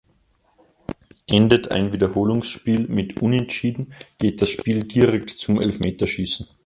Endet ein Wiederholungsspiel mit Unentschieden geht das Spiel direkt zum Elfmeterschießen.